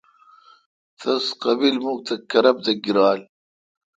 تس قبیمکھ تہ کرب دہ گیرال۔